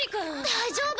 大丈夫？